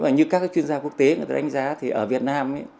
như các chuyên gia quốc tế đã đánh giá thì ở việt nam